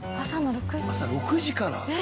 朝６時から！？